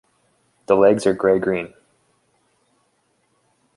The legs are grey-green.